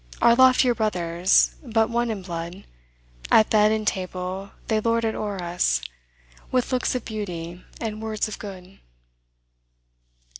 Our loftier brothers, but one in blood; At bed and table they lord it o'er us, With looks of beauty, and words of good."